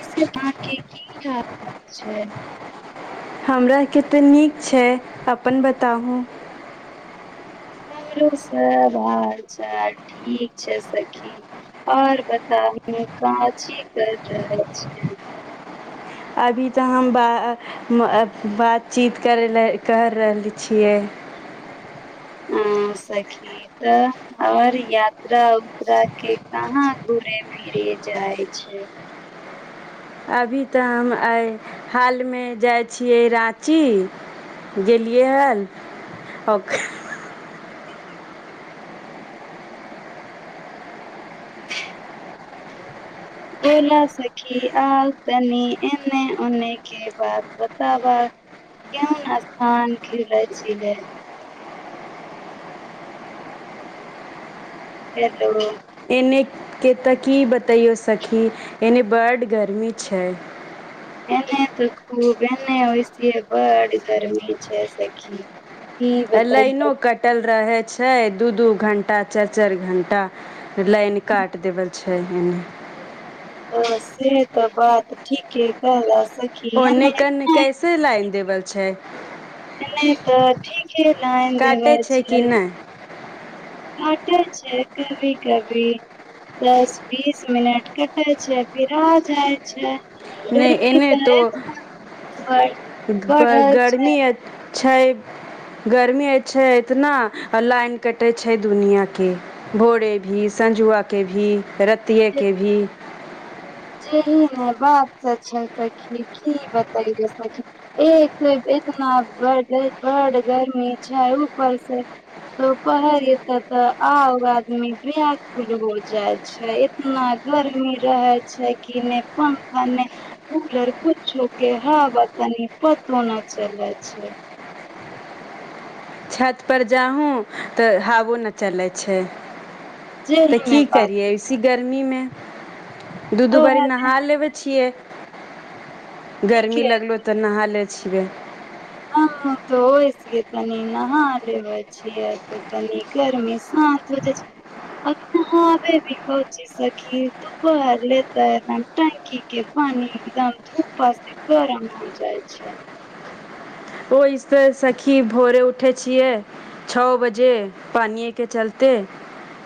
इ से माॅं के की हाल छै? हमराके तऽ नीक छै अपन बताहुं। हमरो सब हाल चाल ठीक छै सखी। और बताउ ने कोनची कर रहल छी। अभी तऽ हम बा आ बातचीत करि कर रहले छियै। हँ सखी ई तऽ हमरर यात्रा उत्रा के कहाँ घुरे फिरे जाइ छै। अभी तऽ हम अय हालमे जाइ छियै राँची। गेलियैल ओक बोला सखी आउ तनी एने ओने के के बात बताबऽ केउन स्थान घुरे छलै। हेलो एने के तऽ की बतैयो सखी एने बड गर्मी छै। एने तऽ खूब एने ओहिसिये बड़ गरर्मी छै सखी। ई ए बतैय लाइनो कटल रहै छै दू दू घंटा चारि चारि घण्टा। लैन काट देवल छै इने। हां से तऽ बात ठीके कहला स ओने कने कैसे लाइन देवा छै। नै तऽ ठीके लाइन देबा काटै छै कि छैै। नहि काटै छै कभी-कभी। दस-बीस मिनट कटे छै, फिर आ जाय छै। नै गर्मी इन्ने तो तऽ बढ़ ग बढ़ गरमी छै आय छै। गर्मीये छै इतना आ लाइन कटै छै दुनिया के। भोरे भी, संझुआ के भी, रतिया के भी। जेही ने बात सच छै सखी की बतैयो सखी। एक से इतना ग गड़ बड़ गरमी छै ऊपर से तो कहैर के त और आदमी व्याकुल हो जाय छै, एतना गरमी रहै छै कि नै पंखा नै कुलर कुछो के हवा तनी पतो ना चलय छै। छत पर जाहूँ तऽ हावो ना चलै छै। जेही ते ने की करिये बात [unintelligible] गर्मी मे दू-दू बारी तोरा नहा लेबै छियै। गर्मी ठीके लगलो तऽ नहा लै छियै। हमु तऽ ओय सिये तनी नहा लेबै छियै त तनी गर्मी शांत हो जाय छै, अभी नहाबे भी [unintelligible] सखी दुपहर ले ते एखन टंकी के पानी एकदम धूपा से गरम होय जाय छै। ओय से सखी भोरे उठे छियै। छ बजे पानिये के चलतै।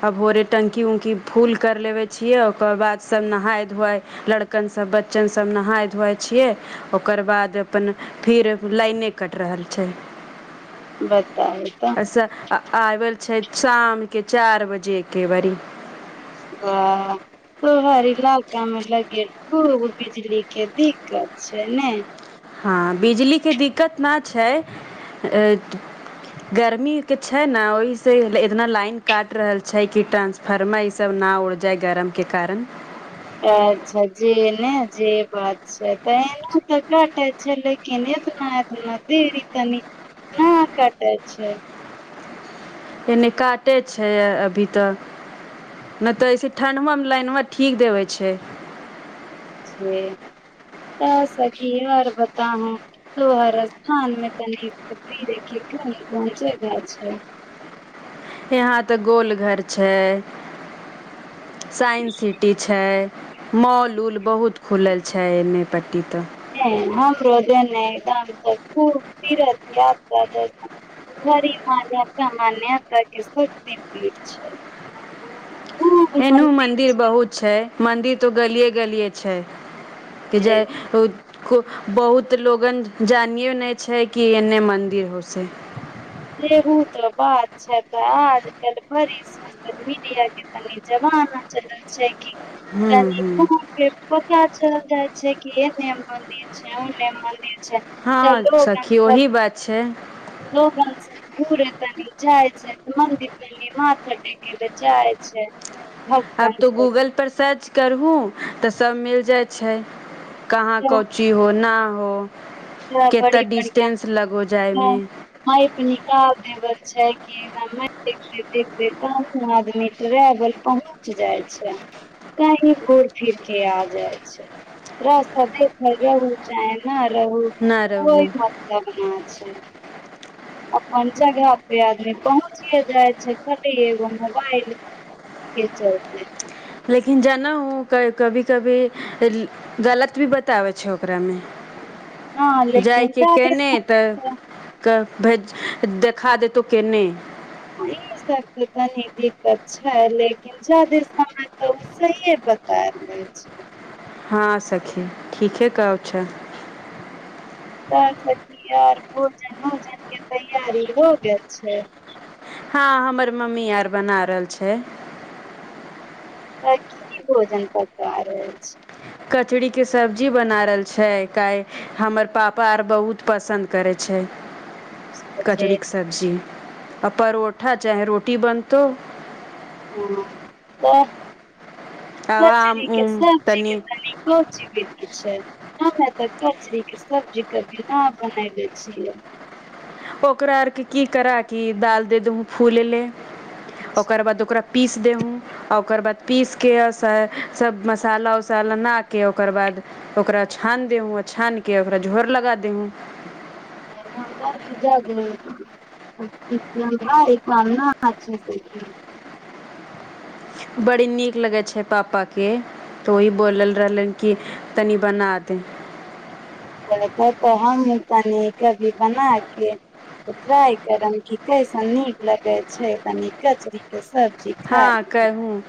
आ भोरे टंकी-उंकी फूल कर लेबै छियै, ओकर बाद सब नहाए-धुआए लड़कन सब, बच्चन सब नहाए-धुआए छियै। ओकर बाद अपन फिर लेएने कट रहल छै। बताउ तऽ। आ आबल छै शाम के चार बजे के बड़ी। तऽ तोहर इलाका में लगै खूब बिजली के दिक्कत छै नै। हां बिजलीके दिक्कत ना छै ए गर्मी के छै ना ओहि से इतना लाइन काट रहल छै कि टांस फरमा ई सब ना उड़ जाय गरम के कारण। अच्छा जे नै जे बात अच्छा तऽ एहनो तऽ काटे छै लेकिन एतना-एतना देरी कनी ना कटै छै। एन्ने काटे छै अभी तक। नै तऽ ऐसे ठण्डवा मे लाइनवा ठीक देबेै छै। छे, तऽ सखी और बताहु। तोहर स्थान मे तनि घूमे-फिरे के कुन-कुन जगह छै। यहाँ तऽ गोलघर छै, साइन सिटी छै। मॉल-उल बहुत खुलल छै इन्ने पट्टी तऽ। हां हमरो जे ने [unintelligible] खूब तीर्थ यात्रा [unintelligible] बडी मान्यता मान्यता के शक्ति पीठ छै। एनहु मंदिर बहुत छै, मंदिर तो गलिये गलिये छै कि जै छै बहुत को लोगन जानियो नै छै कि एने मन्दिर होसे। एहु तऽ बात छै तऽ आज कल भरि स सोशल मीडिया के तने जमाना चलै छै कि हूँ तनि हूँ फोन पे पता चल जाय छै कि ऐने मन्दिर छै ओने मन्दिर छै हँ तऽ लोगन सखी सब ओही बात छै लोगन सब घुरे तनी जाइ छै मन्दिर कनी माथा टेके ला जाइ छै। आब भक्तन तऽ सब गूगल पर सर्च करहू तऽ सब मिल जाइ छै कहाँ केना को ची हो ना हो केना केता डिस्टेंस लगो जायमे। [unintelligible] [unintelligible] देखते देखते कोनो आदमी ट्रेवल पहुँच जाइ छै। कहीं घूर- फिर के आ जाइ छै। रास्ता देखल रहू चाहे ना रहू। ना कोई रहू मतलब ना छै अपन जगह पे आदमी पहुँच चिए जाइ छै खाली एगो मोबाइल के चलते। लेकिन जानहु क कभी कभी ले गलत भी बताबै छै ओकरामे। हँ लेकिन जाइके जादे केने समय तऽ तो क भेज देखा देतौ केने ई सब के तनी दिक्कत छै लेकिन जादे समय तऽ उ सहिए बता दै छै। हाॅं सखी ठीके कहो छै। तऽ सखी और भोजन-ओजन के तैयारी हो गेल छै। हाॅं हमर मम्मी आर बना रहल छै। तऽ की भोजन पका रहल छी? कचरीके सब्जी बना रहल छै काए हमर पापा आर बहुत पसन्द करै छै। जे कचरी के सब्जी आ परोठा चाहे रोटी बनतौ। ह तऽ आ आम कचरी के उम सब्जी के तनी तनिको बनाल जाय छै हमै त कचरी के सब्जी कभी न बनैले छियै। ओकरा आर के की करा की दाल दे देहु फूलेले ओकर बाद ओकरा पीस देहु। आ ओकर बाद पीस के आ स सब मसाला उसाला ना के ओकर बाद ओकरा छानि देहूँ, आ छानि कऽ ओकरा झोर लगा देहूँ। [unintelligible] [unintelligible] बडी नीक लगै छै पापा के तऽ ओही बोलल रहलैन की तनी बना दे। [unintelligible] तऽ हम भी तनी कभी बना के तऽ ट्राई करब की कैसन नीक लगे छै, कनी कचरी के सब् हाॅं करहूं।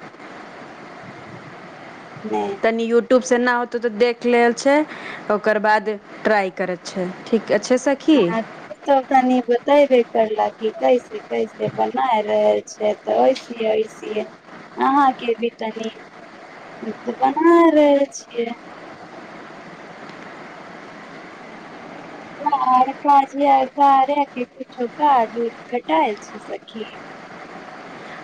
नै। तनी यूट्यूबसे ना होतौ तऽ देख लेल छै। ओकर बाद ट्राई करै छै, ठीक अच्छे से आहां तब तनी बतेबे करला की कैसे-कैसे बनाय रहल छै। तऽ ओयसिये-ओयसिये अहाँके भी तनी उम्म तऽ बना रहल छियै। और काजिया कार्यां के किछु काज भटाएल छै सखी?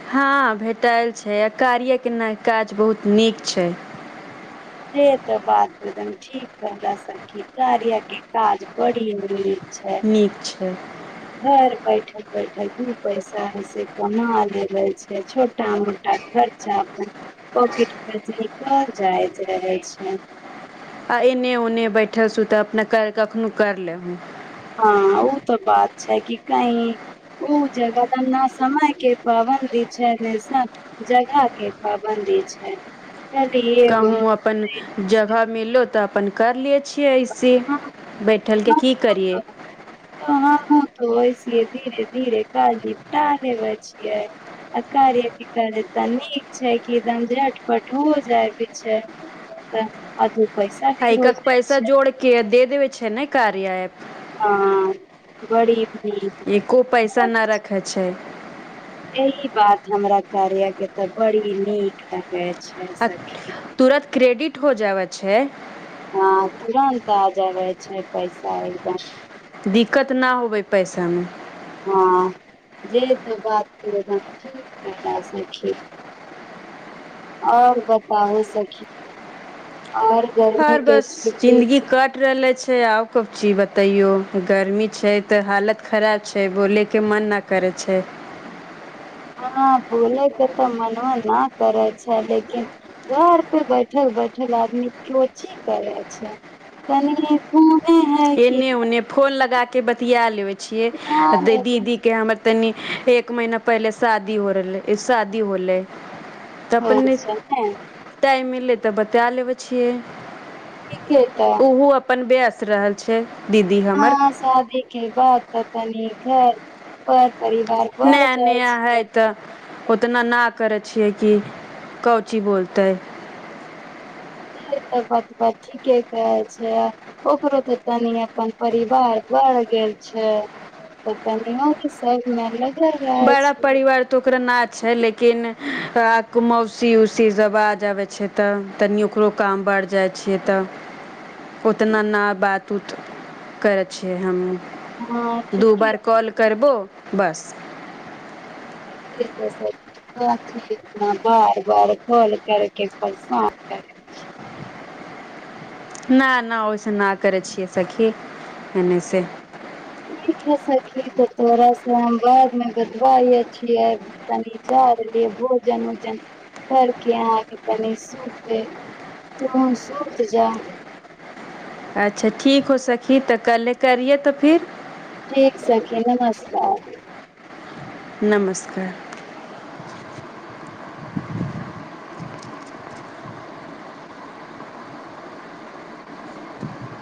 हाॅं भेटल छै आ कार्या के नऽ काज बहुत नीक छै। से त बात एकदम ठीक कहला सखी कार्या के काज बड़ी नीक छै। नीक छै। घर बैठल-बैठल दू पैसा ए से कमा लेबै छै, छोटा-मोटा घर खर्चा अपन पोकेट खर्चा निकल जाइ जाइ छै। आ एन्ने ओने बैठल-सुतल अपना क कखनो कर लेहु। हाॅं उ तऽ बात छै कि कही उ जगह न समय के पाबंदी छै न सम जगह के पाबन्दी छै। ए लिए कहुँ अपन जगह मिललो तऽ अपन कर लै छियै ऐसे हाँ, बैठ ठल के की करियै। [unintelligible] त वैसिये धीरे-धीरे काज निपटा लेबै छिये। आ कार्या [unintelligible] तऽ नीक छै कि एकदम झट-पट हो जाएत छै। त आ दू पैसा भी होय जाइ छै। किया दे देवे छै ने कार्या ऐप। हाॅं बड़ी नीक लागै छै। होइ छै। यही बात हमरा कार्या के ते बड़ी नीक लागै छै। आ सखी तुरंत क्रेडिट हो जाबै छै। हाॅं तुरन्त आय जाबे छै पैसा एकदम। दिक्कत न होबै पैसामे। हाॅं ये तो बात तु एकदम ठीक कहलाए सखी। और बताही सखी और गर्मी और के बस छुट्टी जिन्दगी कट रहले छै, आउ कोन चीज बतैयो, गर्मी छै तऽ हालत खराब छै, बोले के मन न करै छै। हाॅं बोलै के तऽ मनवा नै करै छै लेकिन घर पे बैठल-बैठल आदमी को ची करै छै, कनीए एन्ने-ओन्ने फोन लगाके बतिया लेबै छियै, अ दीदीके हमर तनी एक महिना पहिले शादी हो रहलै, ए शादी होलै तऽ होइ अपने छै ने टाइम मिलै तऽ बतिया लेबै छियै। ठीके तऽ उहो अपन व्यस्त रहल छै। दीदी हमर हां शादी के बाद तऽ तनि घर पर परिवार बढ़ नया जाय नया हइ छै। तऽ ओतना न करै छियै कि कौची बोलतै। ये त बतबा ठीके कहै छै। ओकरो तऽ तनी अपन परिवार बढ़ गेल छै। गोतनीयो कि सब मे लग बड़ा परिवार तऽ ओकरा ना छै लेकिन मौसी उसी सब आ जाबे छै। तऽ तनि ओकरो काम बढ़ जाय छै तऽ उतना ना बात उत करै छियै हँ हमहुं। दू ठीके बार कॉल करबो बस। [unintelligible] बार -बार काल करके परेसान करै छै। ना -ना ओय से ना करै छियै सखी, एने से ठीक है सखी त तोरा से हम बाद मे बतबाए छियै। तनि जा द लिय भोजन उजन करके अहाँ के तनी सुत के तुहु सुत जा अच्छा ठीक हो सखी, तऽ कल्हे करियै तऽ फिर ठीक सखी, नमस्कार। नमस्कार। [inaudible]